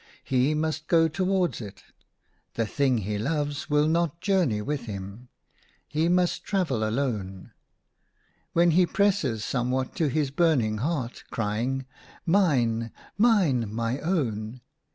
He must go towards it. The thing he loves will not journey A DREAM OF WILD BEES. 95 with him ; he must travel alone. When he presses somewhat to his burning heart, crying, ' Mine, mine, my own